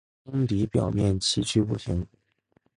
坑底表面崎岖不平。